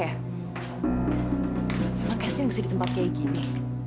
emang casting mesti di tempat kayak gini